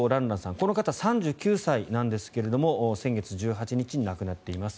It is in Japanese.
この方は３９歳なんですが先月１８日に亡くなっています。